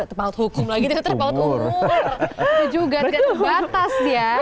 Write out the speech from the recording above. itu juga batas ya